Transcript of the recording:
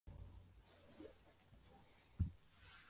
Nchini Uganda, bei ya petroli imeongezeka kufikia dola moja.